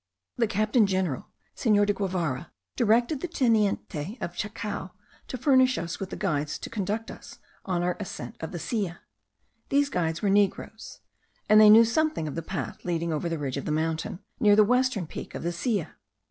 The captain general, Senor de Guevara, directed the teniente of Chacao to furnish us with guides to conduct us on our ascent of the Silla. These guides were negroes, and they knew something of the path leading over the ridge of the mountain, near the western peak of the Silla.